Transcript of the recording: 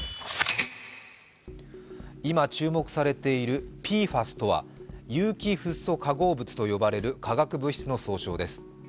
今、注目されているＰＦＡＳとは有機フッ素化合物と呼ばれる化学物質の総称です。